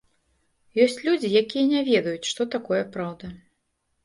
Ёсць людзі, якія не ведаюць, што такое праўда.